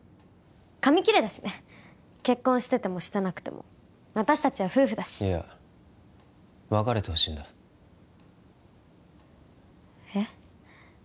紙切れだしね結婚しててもしてなくても私達は夫婦だしいや別れてほしいんだえっ？